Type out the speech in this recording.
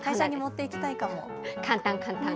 簡単、簡単。